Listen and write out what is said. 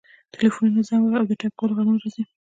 ټیلیفونونه زنګ وهي او د ټایپ کولو غږونه راځي